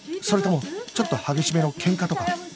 それともちょっと激しめの喧嘩とか？